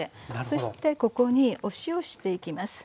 そしてここにお塩していきます。